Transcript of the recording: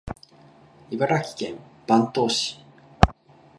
茨城県坂東市